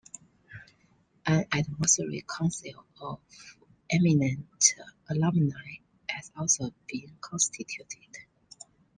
An Advisory Council of eminent alumni has also been constituted.